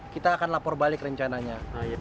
kita akan lapor balik rencananya